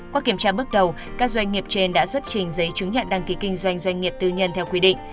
qua kiểm tra bước đầu các doanh nghiệp trên đã xuất trình giấy chứng nhận đăng ký kinh doanh doanh nghiệp tư nhân theo quy định